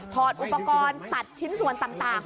ถอดอุปกรณ์ตัดชิ้นส่วนต่าง